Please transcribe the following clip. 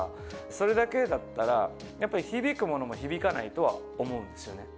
それだけだったら響くものも響かないと思うんですよね。